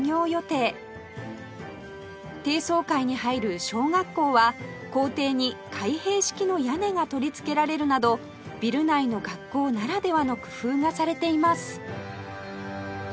低層階に入る小学校は校庭に開閉式の屋根が取り付けられるなどビル内の学校ならではの工夫がされています